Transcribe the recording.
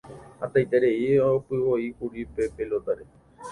Hatãiterei opyvoíkuri pe pelota-re.